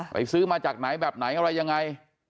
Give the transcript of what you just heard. ซื้อมาจากไหนแบบไหนอะไรยังไง